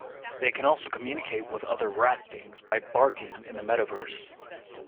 They can also communicate with other Rat Things by "barking" in the Metaverse.